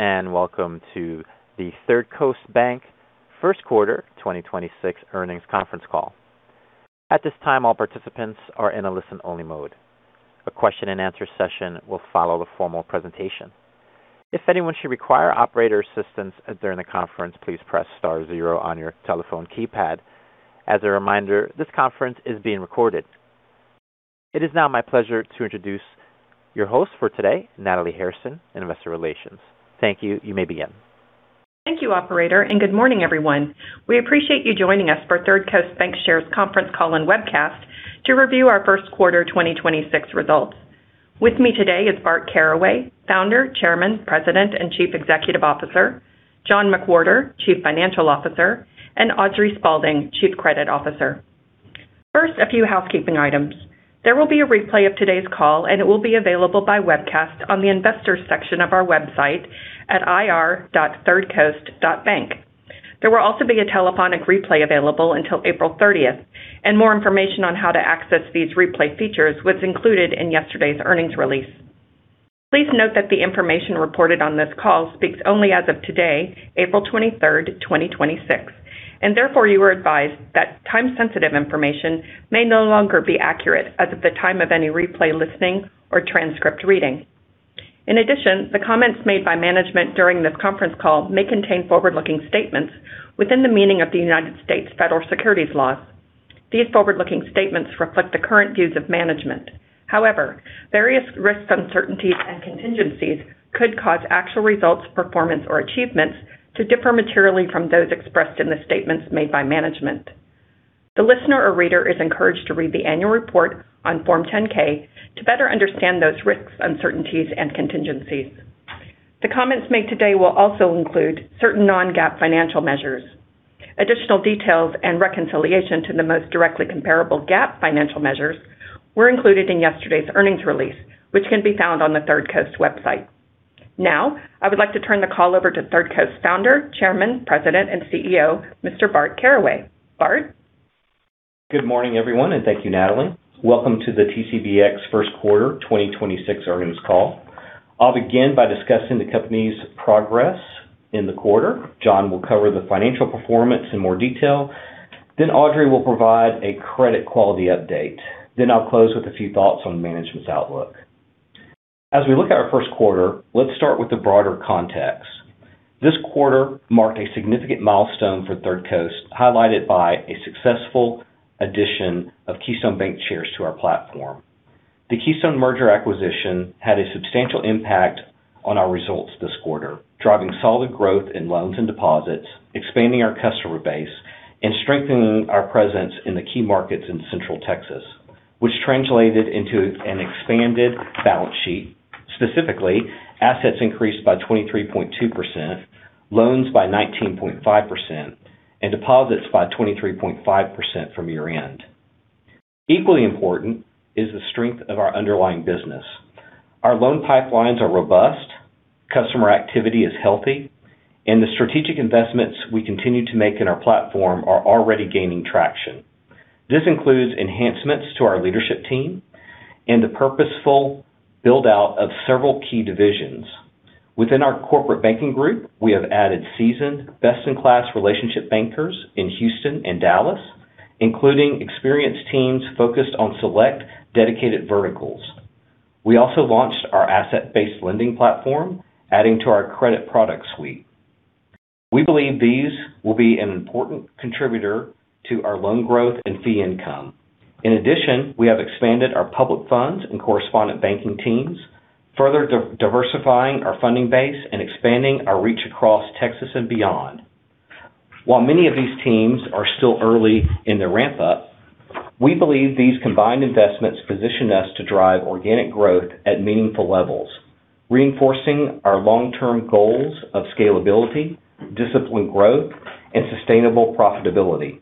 Welcome to the Third Coast Bancshares Q1 2026 earnings conference call. At this time, all participants are in a listen-only mode. A question and answer session will follow the formal presentation. If anyone should require operator assistance during the conference, please press star zero on your telephone keypad. As a reminder, this conference is being recorded. It is now my pleasure to introduce your host for today, Natalie Hairston, in investor relations. Thank you. You may begin. Thank you operator, and good morning everyone. We appreciate you joining us for Third Coast Bancshares conference call and webcast to review our Q1 2026 results. With me today is Bart Caraway, Founder, Chairman, President and Chief Executive Officer. John McWhorter, Chief Financial Officer, and Audrey Spaulding, Chief Credit Officer. First, a few housekeeping items. There will be a replay of today's call, and it will be available by webcast on the investors section of our website at ir.thirdcoast.bank. There will also be a telephonic replay available until April 30th, and more information on how to access these replay features was included in yesterday's earnings release. Please note that the information reported on this call speaks only as of today, April 23rd, 2026, and therefore you are advised that time sensitive information may no longer be accurate as of the time of any replay listening or transcript reading. In addition, the comments made by management ,during this conference call may contain forward-looking statements within the meaning of the U.S. federal securities laws. These forward-looking statements reflect the current views of management. However, various risks, uncertainties, and contingencies could cause actual results, performance, or achievements to differ materially from those expressed in the statements made by management. The listener or reader is encouraged to read the annual report on Form 10-K to better understand those risks, uncertainties and contingencies. The comments made today will also include certain non-GAAP financial measures. Additional details and reconciliation to the most directly comparable GAAP financial measures were included in yesterday's earnings release, which can be found on the Third Coast website. Now I would like to turn the call over to Third Coast Founder, Chairman, President, and CEO, Mr. Bart Caraway. Bart? Good morning, everyone, and thank you, Natalie. Welcome to the TCBX Q1 2026 earnings call. I'll begin by discussing the company's progress in the quarter. John will cover the financial performance in more detail. Audrey will provide a credit quality update. I'll close with a few thoughts on management's outlook. As we look at our Q1, let's start with the broader context. This quarter marked a significant milestone for Third Coast, highlighted by a successful addition of Keystone Bancshares to our platform. The Keystone merger acquisition had a substantial impact on our results this quarter, driving solid growth in loans and deposits, expanding our customer base, and strengthening our presence in the key markets in Central Texas, which translated into an expanded balance sheet. Specifically, assets increased by 23.2%, loans by 19.5%, and deposits by 23.5% from year-end. Equally important is the strength of our underlying business. Our loan pipelines are robust, customer activity is healthy, and the strategic investments we continue to make in our platform are already gaining traction. This includes enhancements to our leadership team and the purposeful build-out of several key divisions. Within our corporate banking group, we have added seasoned, best-in-class relationship bankers in Houston and Dallas, including experienced teams focused on select dedicated verticals. We also launched our asset-based lending platform, adding to our credit product suite. We believe these will be an important contributor to our loan growth and fee income. In addition, we have expanded our public funds and correspondent banking teams, further diversifying our funding base and expanding our reach across Texas and beyond. While many of these teams are still early in their ramp up, we believe these combined investments position us to drive organic growth at meaningful levels, reinforcing our long-term goals of scalability, disciplined growth and sustainable profitability.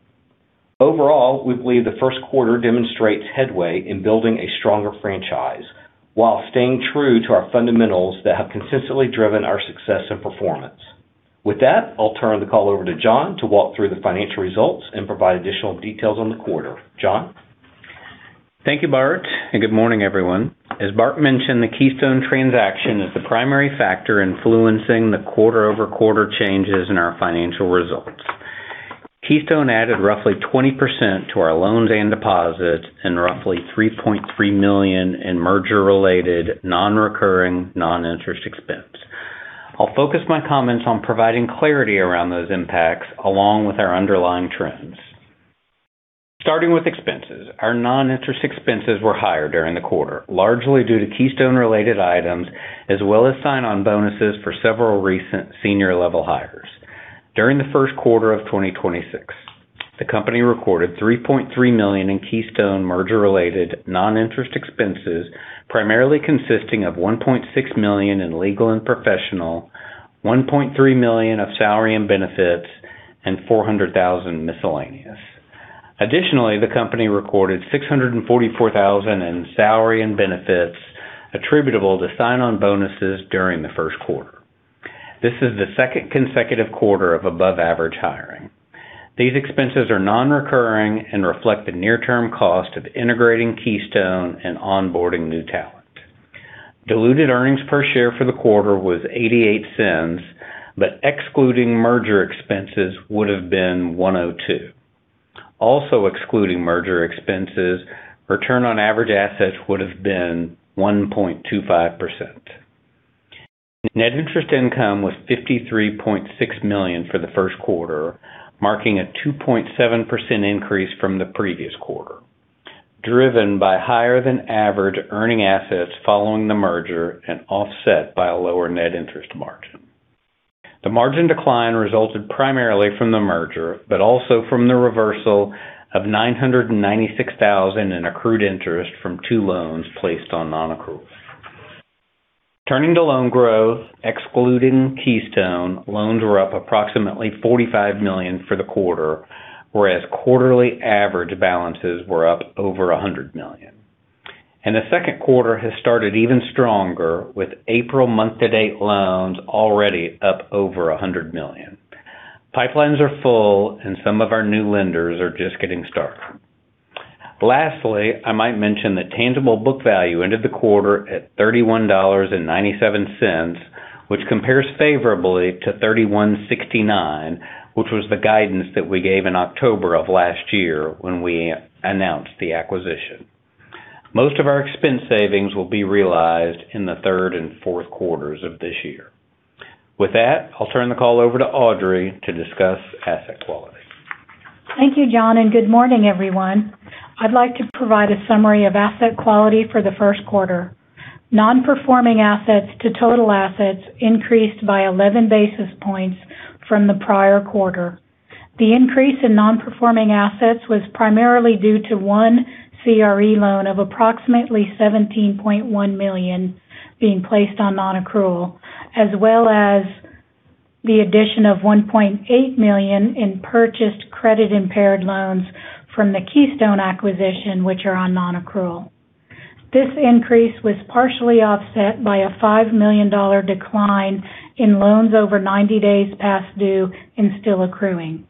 Overall, we believe the Q1 demonstrates headway in building a stronger franchise while staying true to our fundamentals that have consistently driven our success and performance. With that, I'll turn the call over to John to walk through the financial results and provide additional details on the quarter. John? Thank you, Bart, and good morning, everyone. As Bart mentioned, the Keystone transaction is the primary factor influencing the quarter-over-quarter changes in our financial results. Keystone added roughly 20% to our loans and deposits and roughly $3.3 million in merger-related non-recurring non-interest expense. I'll focus my comments on providing clarity around those impacts along with our underlying trends. Starting with expenses, our non-interest expenses were higher during the quarter, largely due to Keystone related items, as well as sign-on bonuses for several recent senior level hires. During the Q1 of 2026, the company recorded $3.3 million in Keystone merger-related non-interest expenses, primarily consisting of $1.6 million in legal and professional, $1.3 million of salary and benefits, and $400,000 miscellaneous. Additionally, the company recorded $644,000 in salary and benefits attributable to sign-on bonuses during the Q1. This is the second consecutive quarter of above average hiring. These expenses are non-recurring and reflect the near-term cost of integrating Keystone and onboarding new talent. Diluted earnings per share for the quarter was $0.88, but excluding merger expenses would have been $1.02. Also excluding merger expenses, return on average assets would have been 1.25%. Net interest income was $53.6 million for the Q1, marking a 2.7% increase from the previous quarter, driven by higher than average earning assets following the merger and offset by a lower net interest margin. The margin decline resulted primarily from the merger, but also from the reversal of $996,000 in accrued interest from two loans placed on nonaccrual. Turning to loan growth, excluding Keystone, loans were up approximately $45 million for the quarter, whereas quarterly average balances were up over $100 million. The Q2 has started even stronger, with April month-to-date loans already up over $100 million. Pipelines are full and some of our new lenders are just getting started. Lastly, I might mention that tangible book value ended the quarter at $31.97, which compares favorably to $31.69, which was the guidance that we gave in October of last year when we announced the acquisition. Most of our expense savings will be realized in the Q3 and Q4s of this year. With that, I'll turn the call over to Audrey to discuss asset quality. Thank you, John, and good morning, everyone. I'd like to provide a summary of asset quality for the Q1. Non-performing assets to total assets increased by 11 basis points from the prior quarter. The increase in non-performing assets was primarily due to one CRE loan of approximately $17.1 million being placed on nonaccrual, as well as the addition of $1.8 million in purchased credit-impaired loans from the Keystone acquisition, which are on nonaccrual. This increase was partially offset by a $5 million decline in loans over 90 days past due and still accruing.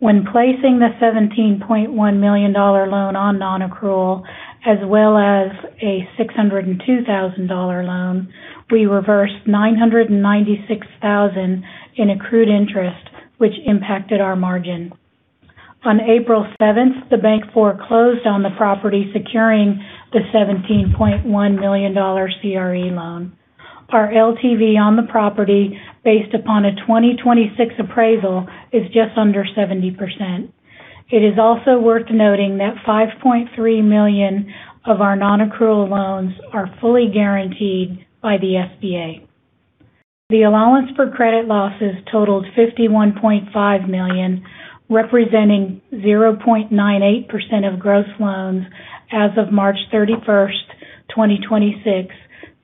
When placing the $17.1 million loan on nonaccrual, as well as a $602,000 loan, we reversed $996,000 in accrued interest, which impacted our margin. On April 7th, the bank foreclosed on the property, securing the $17.1 million CRE loan. Our LTV on the property based upon a 2026 appraisal is just under 70%. It is also worth noting that $5.3 million of our nonaccrual loans are fully guaranteed by the SBA. The allowance for credit losses totaled $51.5 million, representing 0.98% of gross loans as of March 31st, 2026,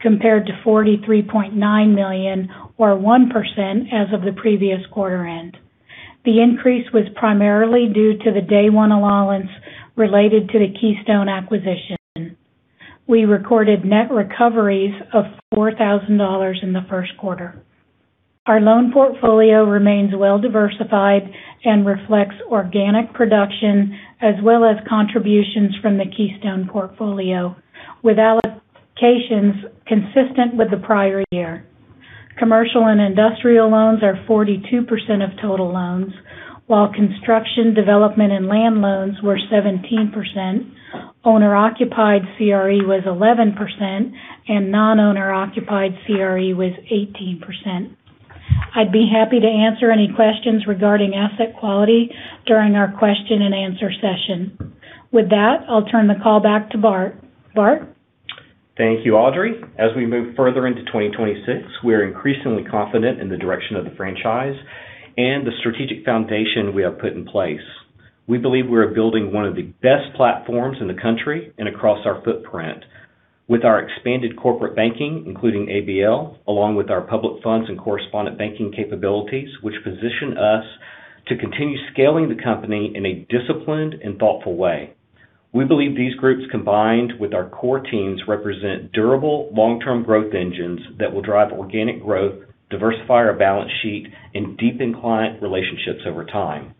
compared to $43.9 million or 1% as of the previous quarter end. The increase was primarily due to the day one allowance related to the Keystone acquisition. We recorded net recoveries of $4,000 in the Q1. Our loan portfolio remains well-diversified and reflects organic production, as well as contributions from the Keystone portfolio, with allocations consistent with the prior year. Commercial and industrial loans are 42% of total loans, while construction, development, and land loans were 17%, owner-occupied CRE was 11%, and non-owner occupied CRE was 18%. I'd be happy to answer any questions regarding asset quality during our question and answer session. With that, I'll turn the call back to Bart. Bart? Thank you, Audrey. As we move further into 2026, we are increasingly confident in the direction of the franchise and the strategic foundation we have put in place. We believe we are building one of the best platforms in the country and across our footprint with our expanded corporate banking, including ABL, along with our public funds and correspondent banking capabilities, which position us to continue scaling the company in a disciplined and thoughtful way. We believe these groups, combined with our core teams, represent durable long-term growth engines that will drive organic growth, diversify our balance sheet, and deepen client relationships over time.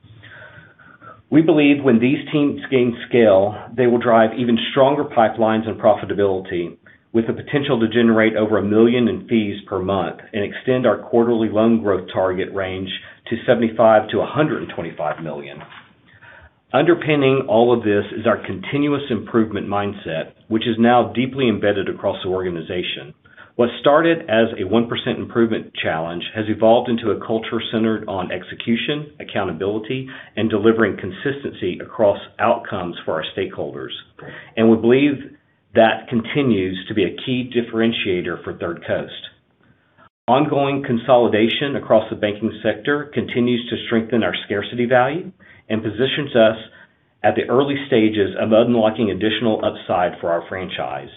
We believe when these teams gain scale, they will drive even stronger pipelines and profitability with the potential to generate over $1 million in fees per month and extend our quarterly loan growth target range to $75 million-$125 million. Underpinning all of this is our continuous improvement mindset, which is now deeply embedded across the organization. What started as a 1% improvement challenge has evolved into a culture centered on execution, accountability, and delivering consistency across outcomes for our stakeholders. We believe that continues to be a key differentiator for Third Coast. Ongoing consolidation across the banking sector continues to strengthen our scarcity value and positions us at the early stages of unlocking additional upside for our franchise.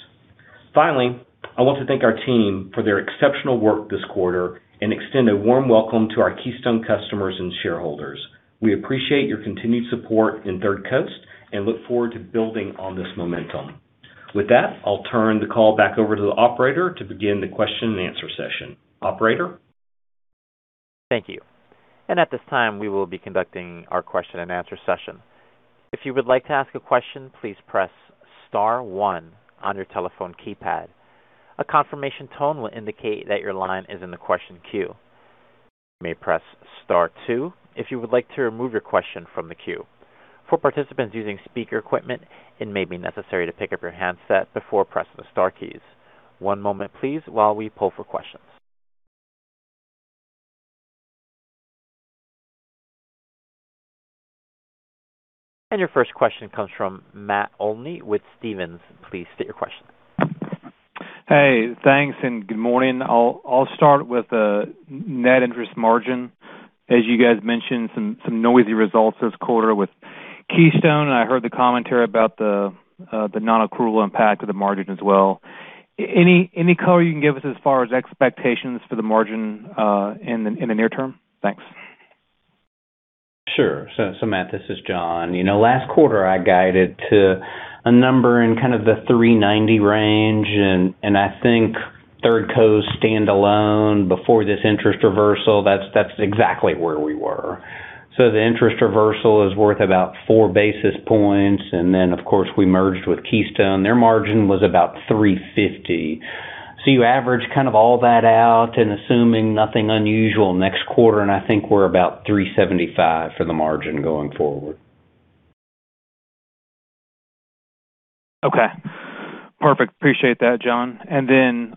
Finally, I want to thank our team for their exceptional work this quarter and extend a warm welcome to our Keystone customers and shareholders. We appreciate your continued support in Third Coast and look forward to building on this momentum. With that, I'll turn the call back over to the operator to begin the question and answer session. Operator? Thank you. At this time, we will be conducting our question and answer session. If you would like to ask a question, please press star one on your telephone keypad. A confirmation tone will indicate that your line is in the question queue. You may press star two if you would like to remove your question from the queue. For participants using speaker equipment, it may be necessary to pick up your handset before pressing the star keys. One moment, please, while we poll for questions. Your first question comes from Matt Olney with Stephens. Please state your question. Hey, thanks, and good morning. I'll start with the net interest margin. As you guys mentioned, some noisy results this quarter with Keystone, and I heard the commentary about the nonaccrual impact of the margin as well. Any color you can give us as far as expectations for the margin in the near term? Thanks. Sure. Matt, this is John. Last quarter, I guided to a number in kind of the 3.90% range, and I think Third Coast standalone before this interest reversal, that's exactly where we were. The interest reversal is worth about four basis points, and then, of course, we merged with Keystone. Their margin was about 3.50%. You average all that out and assuming nothing unusual next quarter, and I think we're about 3.75% for the margin going forward. Okay. Perfect. Appreciate that, John.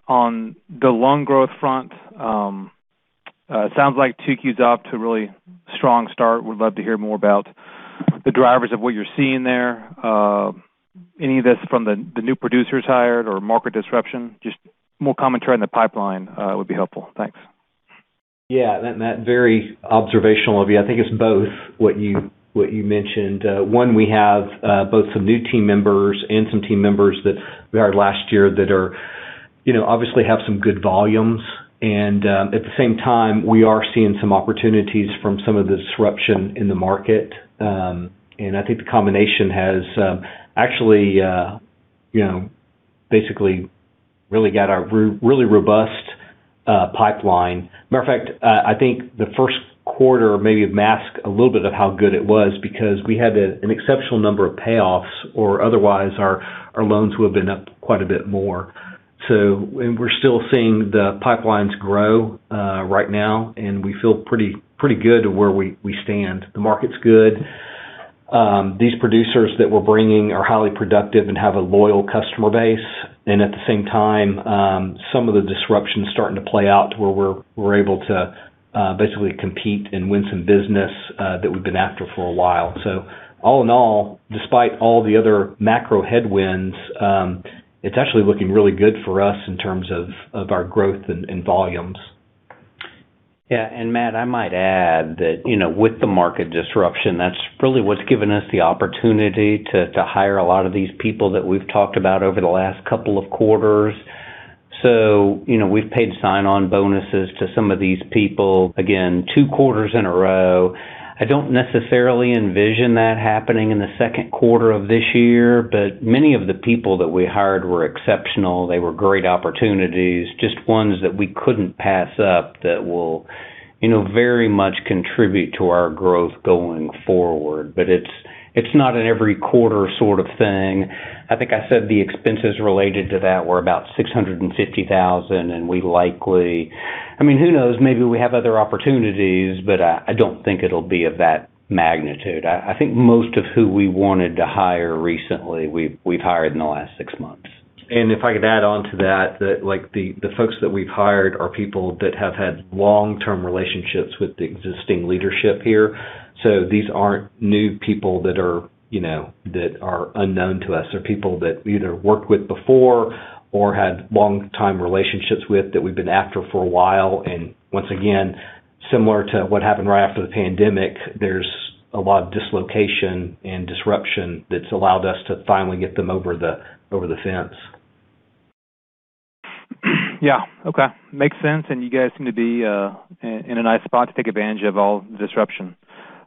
On the loan growth front, sounds like 2Q's off to a really strong start. Would love to hear more about the drivers of what you're seeing there. Any of this from the new producers hired or market disruption? Just more commentary on the pipeline would be helpful. Thanks. Yeah. Matt, very observational of you. I think it's both what you mentioned. One, we have both some new team members and some team members that we hired last year that obviously have some good volumes. At the same time, we are seeing some opportunities from some of the disruption in the market. I think the combination has actually, basically really got a really robust pipeline. Matter of fact, I think the Q1 maybe masked a little bit of how good it was because we had an exceptional number of payoffs or otherwise our loans would have been up quite a bit more. We're still seeing the pipelines grow right now, and we feel pretty good where we stand. The market's good. These producers that we're bringing are highly productive and have a loyal customer base. At the same time, some of the disruption is starting to play out to where we're able to basically compete and win some business that we've been after for a while. All in all, despite all the other macro headwinds, it's actually looking really good for us in terms of our growth and volumes. Yeah. Matt, I might add that with the market disruption, that's really what's given us the opportunity to hire a lot of these people that we've talked about over the last couple of quarters. We've paid sign-on bonuses to some of these people, again, two quarters in a row. I don't necessarily envision that happening in the Q2 of this year, but many of the people that we hired were exceptional. They were great opportunities, just ones that we couldn't pass up that will very much contribute to our growth going forward. It's not an every quarter sort of thing. I think I said the expenses related to that were about $650,000, and we likely, I mean, who knows? Maybe we have other opportunities, but I don't think it'll be of that magnitude. I think most of who we wanted to hire recently, we've hired in the last six months. If I could add on to that, the folks that we've hired are people that have had long-term relationships with the existing leadership here. These aren't new people that are unknown to us. They're people that we either worked with before or had long-time relationships with that we've been after for a while. Once again, similar to what happened right after the pandemic, there's a lot of dislocation and disruption that's allowed us to finally get them over the fence. Yeah. Okay. Makes sense, and you guys seem to be in a nice spot to take advantage of all the disruption.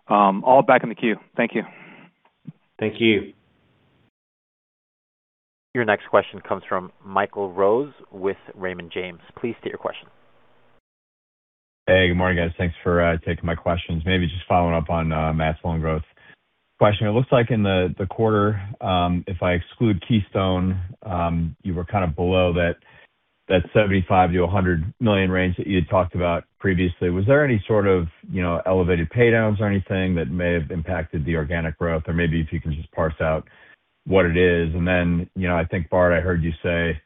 I'll get back in the queue. Thank you. Thank you. Your next question comes from Michael Rose with Raymond James. Please state your question. Hey, good morning, guys. Thanks for taking my questions. Maybe just following up on Matt's loan growth question. It looks like in the quarter, if I exclude Keystone, you were kind of below that $75 million-$100 million range that you had talked about previously. Was there any sort of elevated pay downs or anything that may have impacted the organic growth? Or maybe if you can just parse out what it is. Then, I think, Bart, I heard you say,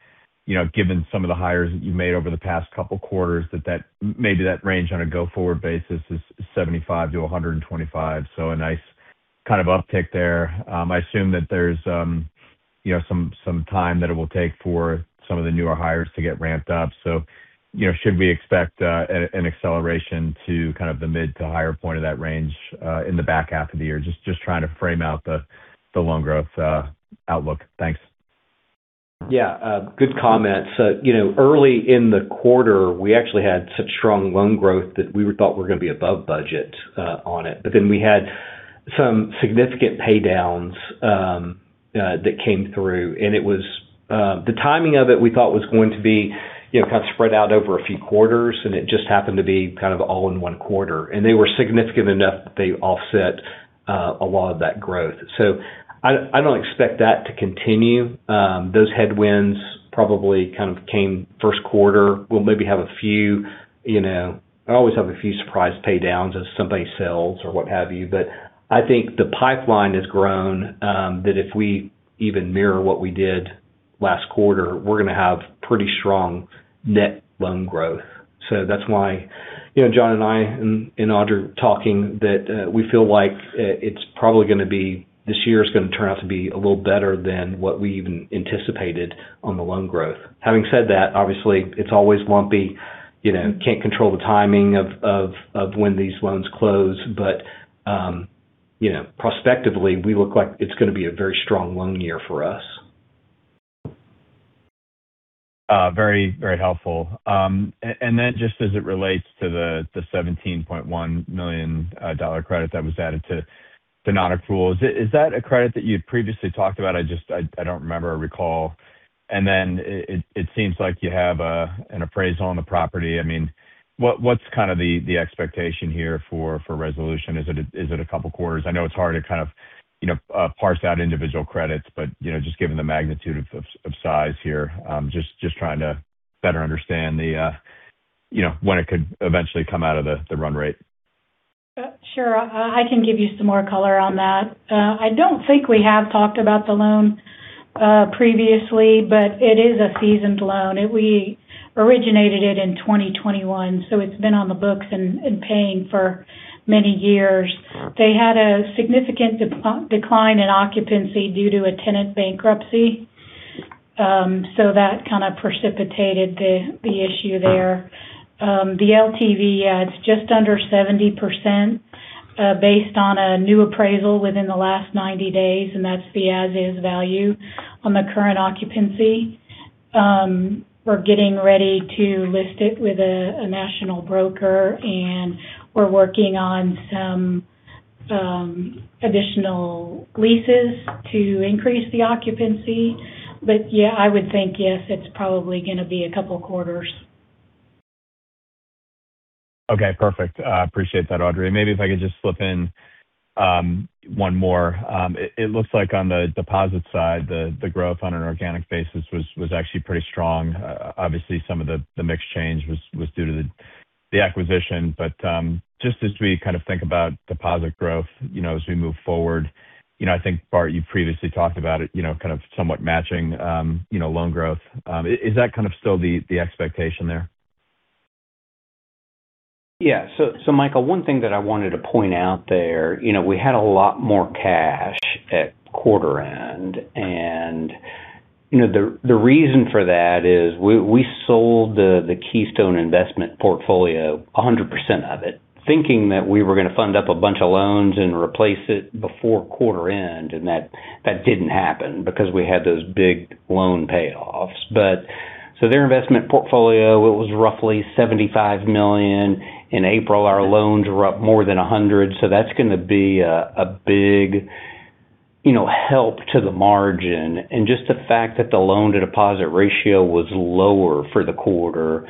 given some of the hires that you've made over the past couple quarters, that maybe that range on a go-forward basis is $75 million-$125 million. A nice kind of uptick there. I assume that there's some time that it will take for some of the newer hires to get ramped up. Should we expect an acceleration to kind of the mid to higher point of that range in the back half of the year? Just trying to frame out the loan growth outlook. Thanks. Yeah. Good comment. Early in the quarter, we actually had such strong loan growth that we thought we were going to be above budget on it. We had some significant paydowns that came through. The timing of it, we thought was going to be kind of spread out over a few quarters, and it just happened to be kind of all in one quarter. They were significant enough that they offset a lot of that growth. I don't expect that to continue. Those headwinds probably kind of came Q1. We'll maybe have a few. I always have a few surprise paydowns as somebody sells or what have you. I think the pipeline has grown, that if we even mirror what we did last quarter, we're going to have pretty strong net loan growth. That's why John and I and Audrey talking that we feel like this year is going to turn out to be a little better than what we even anticipated on the loan growth. Having said that, obviously, it's always lumpy, can't control the timing of when these loans close. Prospectively, we look like it's going to be a very strong loan year for us. Very helpful. Then just as it relates to the $17.1 million credit that was added to the nonaccrual, is that a credit that you had previously talked about? I don't remember or recall. Then it seems like you have an appraisal on the property. What's kind of the expectation here for resolution? Is it a couple of quarters? I know it's hard to kind of parse out individual credits, but, just given the magnitude of size here, just trying to better understand when it could eventually come out of the run rate. Sure. I can give you some more color on that. I don't think we have talked about the loan previously, but it is a seasoned loan. We originated it in 2021, so it's been on the books and paying for many years. They had a significant decline in occupancy due to a tenant bankruptcy. That kind of precipitated the issue there. The LTV, it's just under 70% based on a new appraisal within the last 90 days, and that's the as-is value on the current occupancy. We're getting ready to list it with a national broker, and we're working on some additional leases to increase the occupancy. Yeah, I would think, yes, it's probably going to be a couple of quarters. Okay, perfect. I appreciate that, Audrey. Maybe if I could just slip in one more. It looks like on the deposit side, the growth on an organic basis was actually pretty strong. Obviously, some of the mix change was due to the acquisition. Just as we kind of think about deposit growth as we move forward, I think, Bart, you previously talked about it kind of somewhat matching loan growth. Is that kind of still the expectation there? Yeah. Michael, one thing that I wanted to point out there, we had a lot more cash at quarter end, and the reason for that is we sold the Keystone investment portfolio, 100% of it, thinking that we were going to fund up a bunch of loans and replace it before quarter end, and that didn't happen because we had those big loan payoffs. Their investment portfolio was roughly $75 million. In April, our loans were up more than $100 million, so that's going to be a big help to the margin. Just the fact that the loan-to-deposit ratio was lower for the quarter.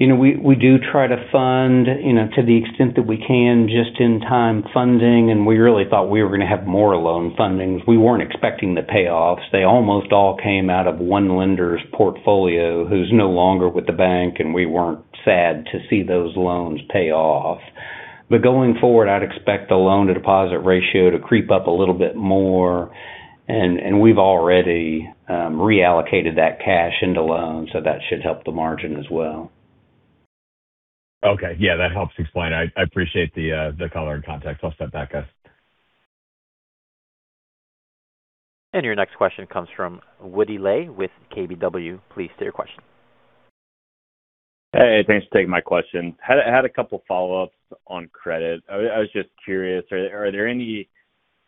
We do try to fund to the extent that we can, just-in-time funding, and we really thought we were going to have more loan fundings. We weren't expecting the payoffs. They almost all came out of one lender's portfolio who's no longer with the bank, and we weren't sad to see those loans pay off. Going forward, I'd expect the loan-to-deposit ratio to creep up a little bit more, and we've already reallocated that cash into loans, so that should help the margin as well. Okay. Yeah, that helps explain. I appreciate the color and context. I'll step back guys. Your next question comes from Woody Lay with KBW. Please state your question. Hey, thanks for taking my question. Had a couple follow-ups on credit. I was just curious, are there any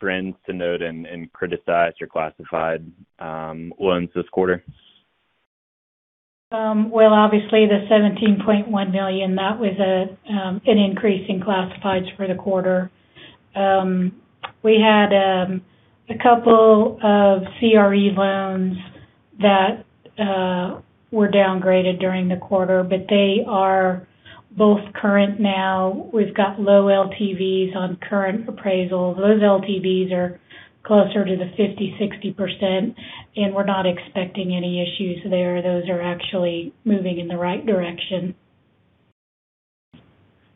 trends to note in criticized or classified loans this quarter? Well, obviously, the $17.1 million, that was an increase in classifieds for the quarter. We had a couple of CRE loans that were downgraded during the quarter, but they are both current now. We've got low LTVs on current appraisals. Those LTVs are closer to the 50%-60%, and we're not expecting any issues there. Those are actually moving in the right direction.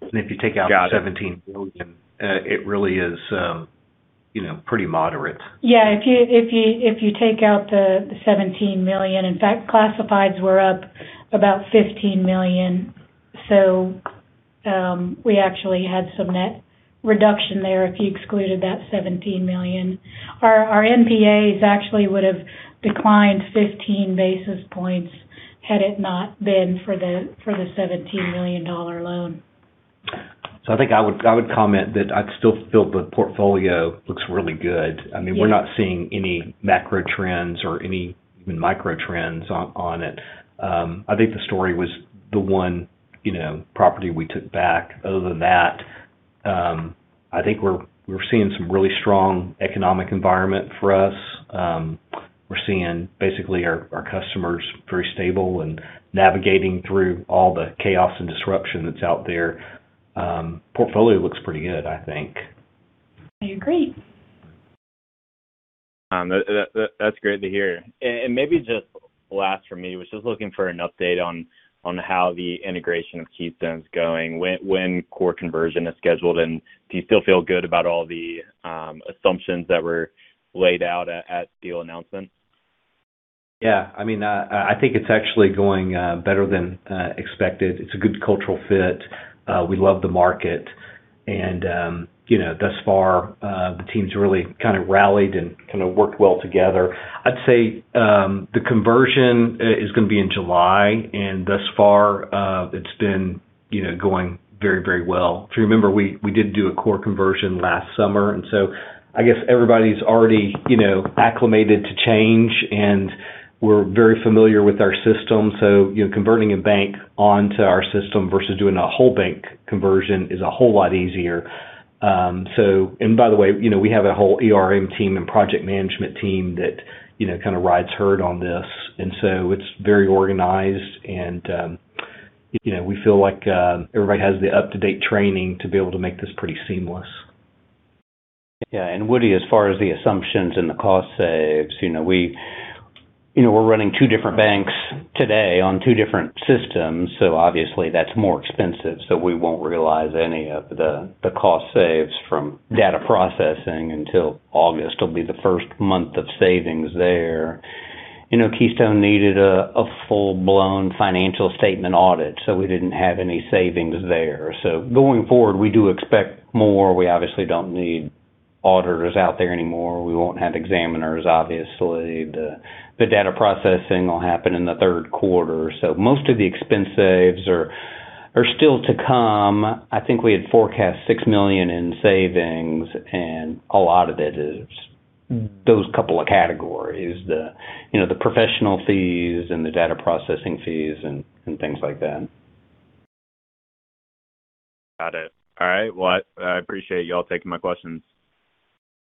If you take out the $17 million, it really is pretty moderate. Yeah. If you take out the $17 million, in fact, classifieds were up about $15 million. We actually had some net reduction there if you excluded that $17 million. Our NPAs actually would have declined 15 basis points had it not been for the $17 million loan. I think I would comment that I still feel the portfolio looks really good. Yeah. We're not seeing any macro trends or any even micro trends on it. I think the story was the one property we took back. Other than that, I think we're seeing some really strong economic environment for us. We're seeing basically our customers pretty stable and navigating through all the chaos and disruption that's out there. Portfolio looks pretty good, I think. Great. That's great to hear. Maybe just last for me, was just looking for an update on how the integration of Keystone's going, when core conversion is scheduled, and do you still feel good about all the assumptions that were laid out at deal announcement? Yeah. I think it's actually going better than expected. It's a good cultural fit. We love the market. Thus far, the team's really rallied and worked well together. I'd say, the conversion is going to be in July, and thus far, it's been going very well. If you remember, we did do a core conversion last summer. I guess everybody's already acclimated to change, and we're very familiar with our system. Converting a bank onto our system versus doing a whole bank conversion is a whole lot easier. By the way, we have a whole ERM team and project management team that rides herd on this. It's very organized and we feel like everybody has the up-to-date training to be able to make this pretty seamless. Yeah. Woody, as far as the assumptions and the cost saves, we're running two different banks today on two different systems, so obviously that's more expensive. We won't realize any of the cost saves from data processing until August. It will be the first month of savings there. Keystone needed a full-blown financial statement audit, so we didn't have any savings there. Going forward, we do expect more. We obviously don't need auditors out there anymore. We won't have examiners, obviously. The data processing will happen in the Q3. Most of the expense saves are still to come. I think we had forecast $6 million in savings, and a lot of it is those couple of categories, the professional fees and the data processing fees and things like that. Got it. All right. Well, I appreciate y'all taking my questions.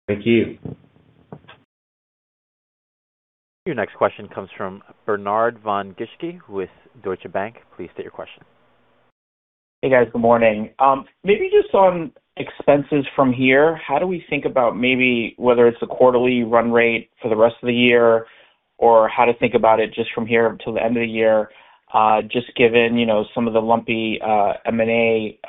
Thank you. Your next question comes from Bernard Von Gizycki with Deutsche Bank. Please state your question. Hey, guys. Good morning. Maybe just on expenses from here, how do we think about maybe whether it's a quarterly run rate for the rest of the year, or how to think about it just from here until the end of the year, just given some of the lumpy M&A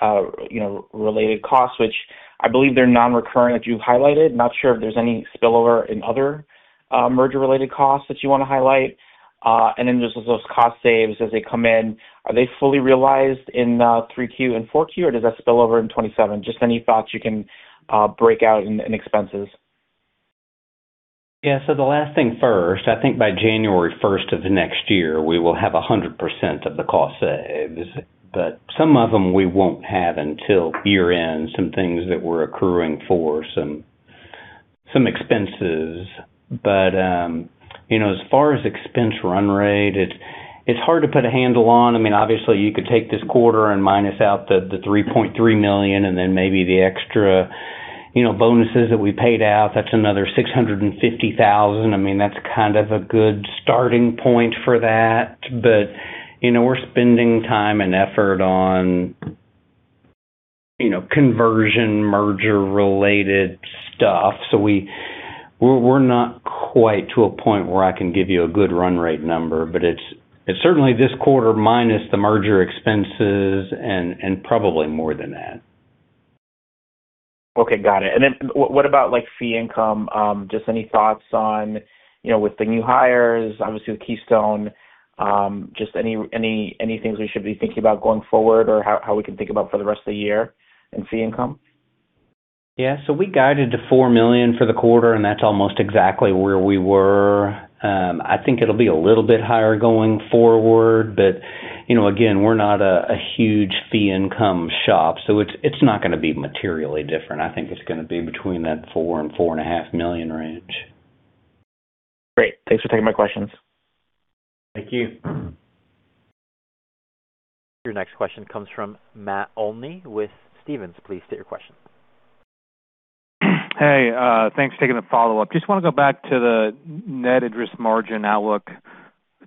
related costs which I believe they're non-recurring that you highlighted. Not sure if there's any spillover in other merger-related costs that you want to highlight. Just as those cost saves as they come in, are they fully realized in Q3 and Q4, or does that spill over in 2027? Just any thoughts you can break out in expenses. Yeah. The last thing first, I think by January 1st of the next year, we will have 100% of the cost saves. Some of them we won't have until year-end, some things that we're accruing for some expenses. As far as expense run rate, it's hard to put a handle on. Obviously you could take this quarter and minus out the $3.3 million and then maybe the extra bonuses that we paid out, that's another $650,000. That's kind of a good starting point for that. We're spending time and effort on conversion, merger-related stuff. We're not quite to a point where I can give you a good run rate number, but it's certainly this quarter minus the merger expenses and probably more than that. Okay. Got it. What about fee income? Just any thoughts on, with the new hires, obviously with Keystone, just any things we should be thinking about going forward or how we can think about for the rest of the year in fee income? Yeah. We guided to $4 million for the quarter, and that's almost exactly where we were. I think it'll be a little bit higher going forward. But, again, we're not a huge fee income shop, so it's not going to be materially different. I think it's going to be between that 4 and 4.5 million range. Great. Thanks for taking my questions. Thank you. Your next question comes from Matt Olney with Stephens. Please state your question. Hey, thanks for taking the follow-up. Just want to go back to the net interest margin outlook.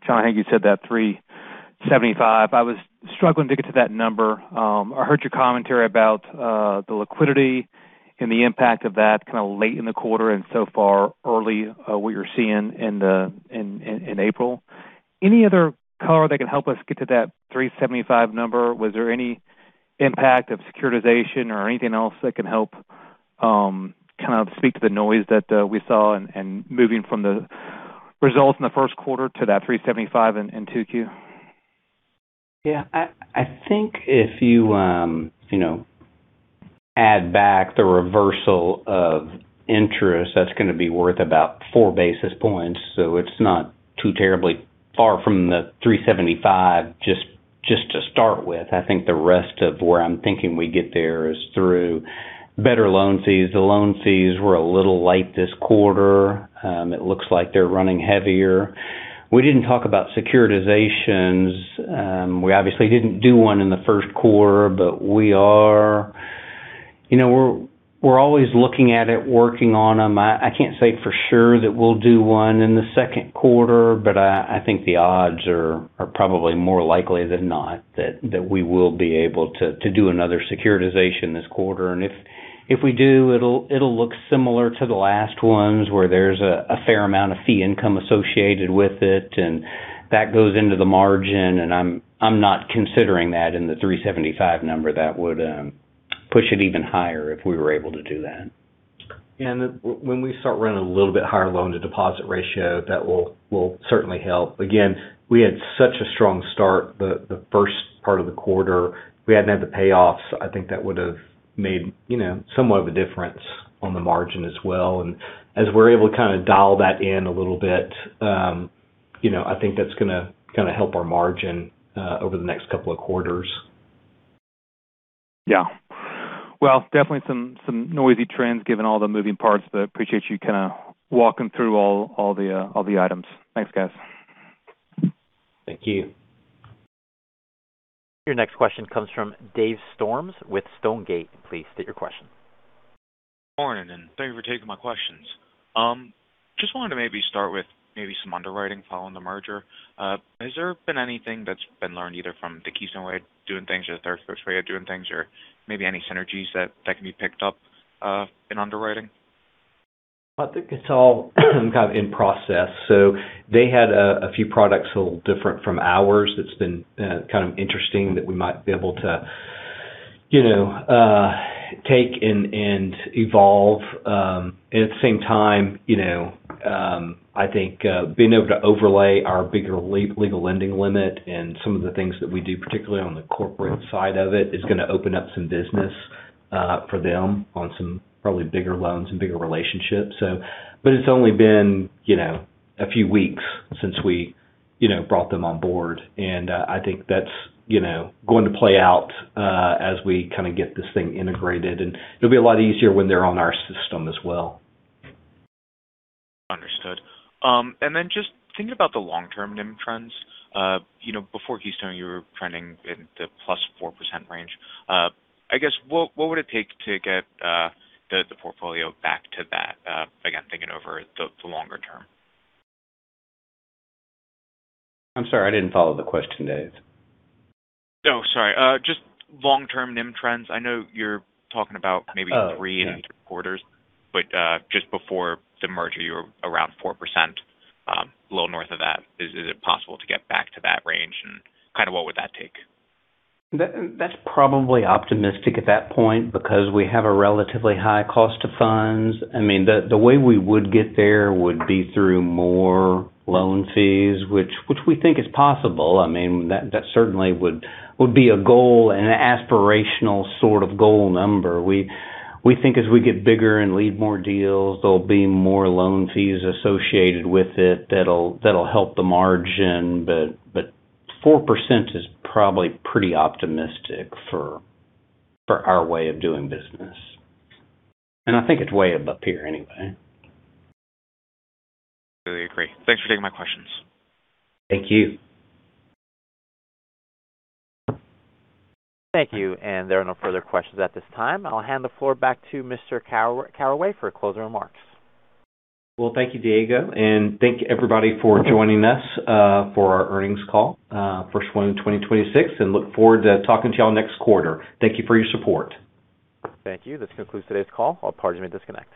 John, I think you said that 3.75%. I was struggling to get to that number. I heard your commentary about the liquidity and the impact of that kind of late in the quarter and so far early what you're seeing in April. Any other color that can help us get to that 3.75% number? Was there any impact of securitization or anything else that can help kind of speak to the noise that we saw and moving from the results in the Q1 to that 3.75% in Q2? Yeah. I think if you add back the reversal of interest, that's going to be worth about four basis points. It's not too terribly far from the 375 just to start with. I think the rest of where I'm thinking we get there is through better loan fees. The loan fees were a little light this quarter. It looks like they're running heavier. We didn't talk about securitizations. We obviously didn't do one in the Q1, but we're always looking at it, working on them. I can't say for sure that we'll do one in the Q2, but I think the odds are probably more likely than not that we will be able to do another securitization this quarter. If we do, it'll look similar to the last ones, where there's a fair amount of fee income associated with it, and that goes into the margin, and I'm not considering that in the 3.75% number. That would push it even higher if we were able to do that. When we start running a little bit higher loan-to-deposit ratio, that will certainly help. Again, we had such a strong start the first part of the quarter. If we hadn't had the payoffs, I think that would have made somewhat of a difference on the margin as well. As we're able to kind of dial that in a little bit, I think that's going to help our margin over the next couple of quarters. Yeah. Well, definitely some noisy trends given all the moving parts, but appreciate you kind of walking through all the items. Thanks, guys. Thank you. Your next question comes from Dave Storms with Stonegate. Please state your question. Morning, and thank you for taking my questions. Just wanted to maybe start with maybe some underwriting following the merger. Has there been anything that's been learned either from the Keystone way of doing things or the Third Coast way of doing things or maybe any synergies that can be picked up in underwriting? I think it's all kind of in process. They had a few products a little different from ours that's been kind of interesting that we might be able to take and evolve. At the same time, I think being able to overlay our bigger legal lending limit and some of the things that we do, particularly on the corporate side of it, is going to open up some business for them on some probably bigger loans and bigger relationships. It's only been a few weeks since we brought them on board, and I think that's going to play out as we get this thing integrated, and it'll be a lot easier when they're on our system as well. Understood. Just thinking about the long-term NIM trends. Before Keystone, you were trending in the +4% range. I guess, what would it take to get the portfolio back to that again, thinking over the longer term? I'm sorry, I didn't follow the question, Dave. Oh, sorry. Just long-term NIM trends. I know you're talking about maybe three into quarters, but just before the merger, you were around 4%, a little north of that. Is it possible to get back to that range, and kind of what would that take? That's probably optimistic at that point because we have a relatively high cost of funds. I mean, the way we would get there would be through more loan fees, which we think is possible. That certainly would be a goal and an aspirational sort of goal number. We think as we get bigger and lead more deals, there'll be more loan fees associated with it that'll help the margin but 4% is probably pretty optimistic for our way of doing business. I think it's way up here anyway. Totally agree. Thanks for taking my questions. Thank you. Thank you. There are no further questions at this time. I'll hand the floor back to Mr. Caraway for closing remarks. Well, thank you, Diego, and thank you everybody for joining us for our earnings call, first one in 2026, and we look forward to talking to you all next quarter. Thank you for your support. Thank you. This concludes today's call. All parties may disconnect.